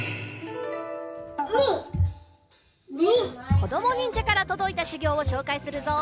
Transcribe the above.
こどもにんじゃからとどいたしゅぎょうをしょうかいするぞ。